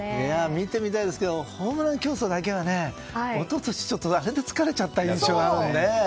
見てみたいですけどホームラン競争だけは一昨年ちょっと、あれで疲れちゃった印象があるので。